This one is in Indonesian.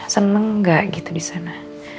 seneng gak gitu di sana